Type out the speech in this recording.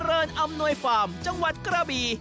เพื่อเพลินอำนวยฟาร์มจังหวัดกราบี